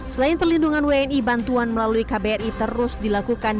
selain perlindungan wni bantuan melalui kbri terus dilakukan